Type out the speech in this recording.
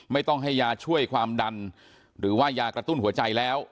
ไม่ต้องให้ยาช่วยความดันหรือว่ายากระตุ้นหัวใจแล้ว